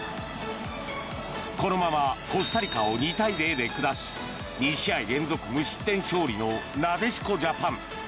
このままコスタリカを２対０で下し２試合連続無失点勝利のなでしこジャパン。